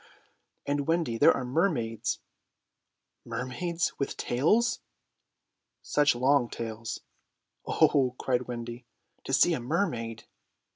"And, Wendy, there are mermaids." "Mermaids! With tails?" "Such long tails." "Oh," cried Wendy, "to see a mermaid!"